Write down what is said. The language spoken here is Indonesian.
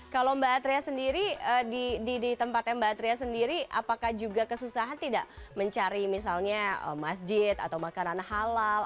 kalau mbak atria sendiri di tempatnya mbak atria sendiri apakah juga kesusahan tidak mencari misalnya masjid atau makanan halal